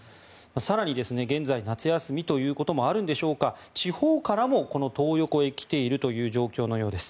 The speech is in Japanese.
更に現在、夏休みということもあるんでしょうか地方からもトー横へ来ているという状況のようです。